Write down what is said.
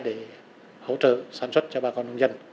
để hỗ trợ sản xuất cho bà con nông dân